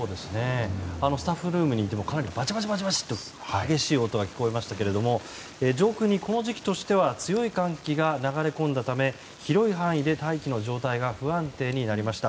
スタッフルームにいてもかなりバチバチという激しい音が聞こえましたけれども上空に、この時期としては強い寒気が流れ込んだため広い範囲で大気の状態が不安定になりました。